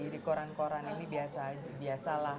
di koran koran ini biasalah